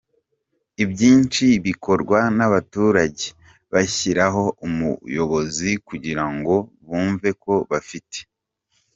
ibyinshi bikorwa nabaturage, bashyiraho umuyobozi kugira ngo bumve ko bafite.